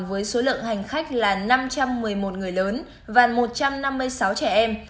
với số lượng hành khách là năm trăm một mươi một người lớn và một trăm năm mươi sáu trẻ em